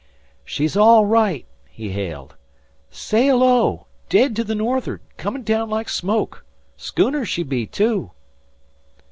"She's all right," he hailed. "Sail O! Dead to the no'th'ard, comin' down like smoke! Schooner she be, too."